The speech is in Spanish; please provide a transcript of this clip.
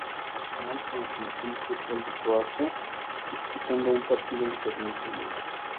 Ha sido internacional con la selección de fútbol de Croacia, disputando un partido internacional.